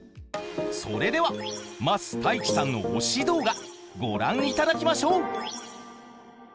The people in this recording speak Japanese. それでは桝太一さんの推し動画ご覧いただきましょう！